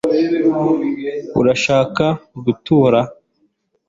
urashaka gutora